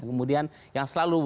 kemudian yang selalu